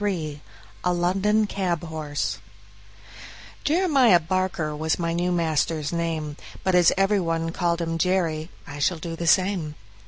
33 A London Cab Horse Jeremiah Barker was my new master's name, but as every one called him Jerry, I shall do the same.